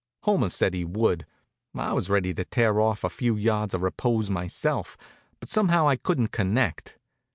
Homer said he would. I was ready to tear off a few yards of repose myself, but somehow I couldn't connect.